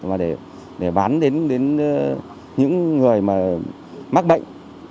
và để bán đến những người mắc bệnh